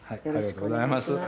よろしくお願いします。